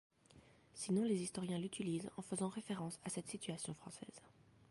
Sinon les historiens l'utilisent en faisant référence à cette situation française.